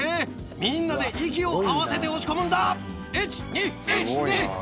みんなで息を合わせて押し込むんだ！